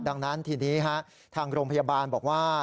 ดังนั้นทีนี้ทางโรงพยาบาลบอกว่า